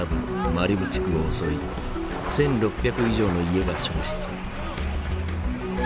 マリブ地区を襲い１，６００以上の家が焼失。